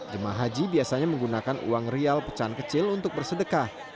jemaah haji biasanya menggunakan uang rial pecahan kecil untuk bersedekah